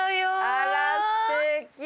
あらステキ。